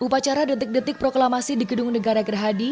upacara detik detik proklamasi di gedung negara gerhadi